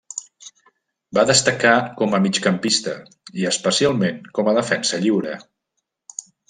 Va destacar com a migcampista i, especialment, com a defensa lliure.